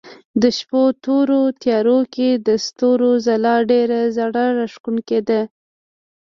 د شپو تورو تيارو کې د ستورو ځلا ډېره زړه راښکونکې ده.